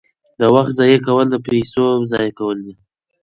د وخت ضایع کول د پیسو ضایع کول دي.